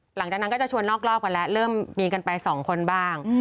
หลังจากนั้นก็จะชวนนอกรอบกันแล้วเริ่มมีกันไปสองคนบ้าง